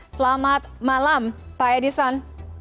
selamat malam pak edison